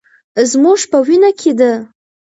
زموږ په وینه کې ده.